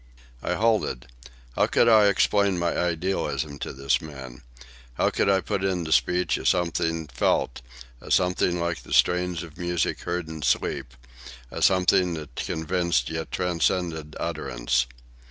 I halted. How could I explain my idealism to this man? How could I put into speech a something felt, a something like the strains of music heard in sleep, a something that convinced yet transcended utterance?